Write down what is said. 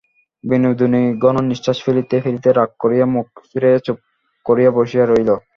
বিনোদিনী ঘন নিশ্বাস ফেলিতে ফেলিতে রাগ করিয়া মুখ ফিরাইয়া চুপ করিয়া বসিয়া রহিল।